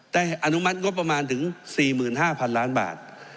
อนุมัติงบประมาณถึง๔๕๐๐๐ล้านบาท